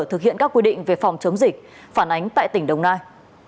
thực hiện các quy định về phòng chống dịch phản ánh tại tỉnh đồng nai